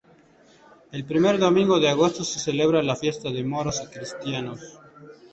El primer domingo de agosto se celebra la fiesta de moros y cristianos.